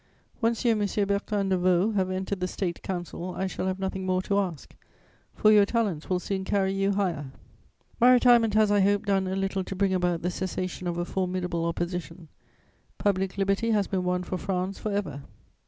Once you and M. Bertin de Vaux have entered the State Council, I shall have nothing more to ask, for your talents will soon carry you higher. My retirement has, I hope, done a little to bring about the cessation of a formidable opposition; public liberty has been won for France for ever.